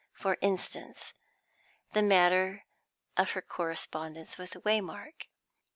For instance, the matter of her correspondence with Waymark.